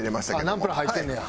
ナンプラー入ってんねや。